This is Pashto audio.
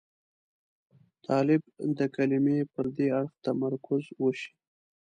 د طالب د کلمې پر دې اړخ تمرکز وشي.